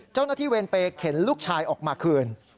เจ้าหน้าที่เวรเปรย์เข็นลูกชายออกมาคืน